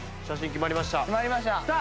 決まりました。